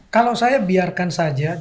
kalau saya biarkan saja